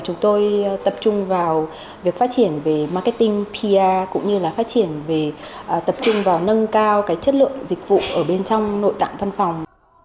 chúng tôi tập trung vào việc phát triển về marketing pr cũng như là phát triển về tập trung vào nâng cao chất lượng dịch vụ ở bên trong nội tạng văn phòng